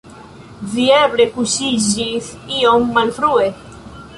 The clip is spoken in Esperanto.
Vi eble kuŝiĝis iom malfrue?